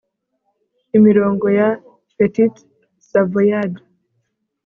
Imirongo ya Petit Savoyard